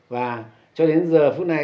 và cho đến giờ phút này